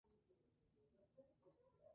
Takahiro Takagi